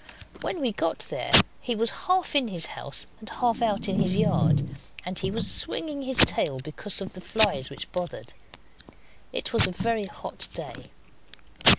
When we got there he was half in his house and half out in his yard, and he was swinging his tail because of the flies which bothered. It was a very hot day.